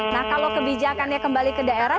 nah kalau kebijakannya kembali ke daerah